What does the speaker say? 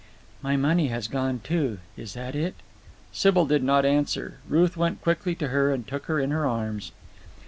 "My money has gone, too? Is that it?" Sybil did not answer. Ruth went quickly to her and took her in her arms.